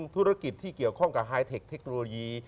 ธุรกิจที่เกี่ยวข้องกับไฮเทคเทคโนโลยี